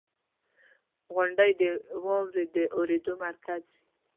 • غونډۍ د واورې د اورېدو مرکز وي.